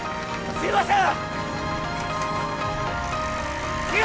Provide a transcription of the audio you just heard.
すいませーん！！